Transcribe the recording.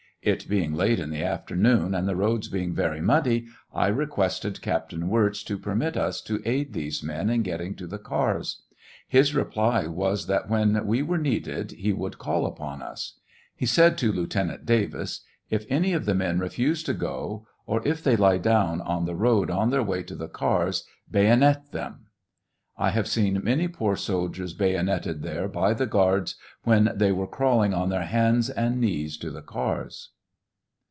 It being late in the after noon, and the roads being very muddy, I requested Captain Wirz to permit us to aid these men in getting to the cars His reply was that when we were needed he would call upon us. He said to Lieutenant Davis '* If any of the men refuse to go, or if they lie down on the road on their way to the cars, bayonet them." I have seen many poor soldiers bayoneted there by the guards when tbey were crawling on their hands and knees to the cars.